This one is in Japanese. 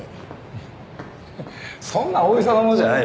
フッそんな大げさなもんじゃないよ。